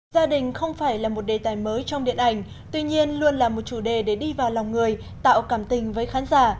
gia đình không phải là một đề tài mới trong điện ảnh tuy nhiên luôn là một chủ đề để đi vào lòng người tạo cảm tình với khán giả